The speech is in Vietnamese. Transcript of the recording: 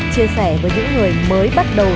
chia sẻ với những người mới bắt đầu